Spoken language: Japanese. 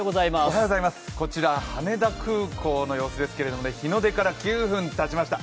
こちら羽田空港の様子ですが日の出から９分たちました。